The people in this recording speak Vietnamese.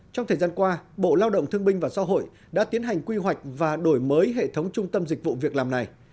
trong thời gian qua bộ lao động thương binh và xã hội đã tiến hành quy hoạch và đổi mới hệ thống trung tâm dịch vụ việc làm này